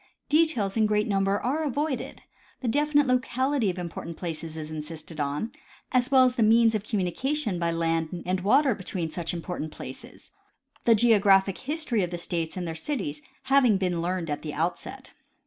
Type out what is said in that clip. Details in great number are avoided ; the definite locality of important places is insisted on, as well as the means of communication by land and Avater between such important places, the geographic history of the states and their cities having been learned at the outset.